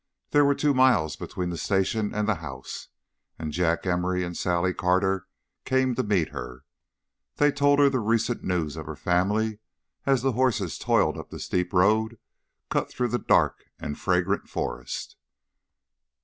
There were two miles between the station and the house, and Jack Emory and Sally Carter came to meet her. They told her the recent news of the family as the horses toiled up the steep road cut through the dark and fragrant forest.